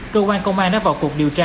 cơ quan công an đã vào cuộc điều tra